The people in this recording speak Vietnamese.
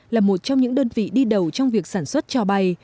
là một trong những đơn vị đi đầu trong việc sản xuất cho bay